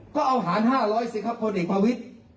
ก็เอาหาร๕๐๐สิครับพลเอกประวิทธิ์